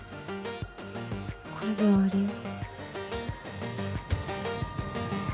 これで終わりよ。